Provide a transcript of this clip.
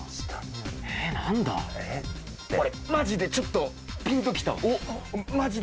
マジでちょっとピンときたわ。